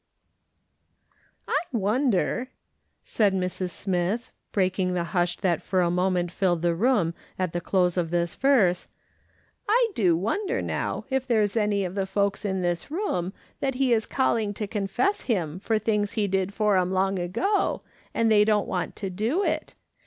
''•* I wonder," said Mrs. Smith, breaking the hush that for a moment filled the room at the close of this verse, " I do wonder, now, if there's any of the folks in this room that he is calling to confess him for things he did for 'em long ago, and they don't want to do it